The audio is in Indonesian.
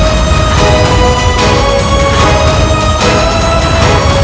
aku berhubung dengan gak bagsanya